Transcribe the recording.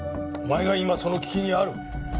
お前が今その危機にある。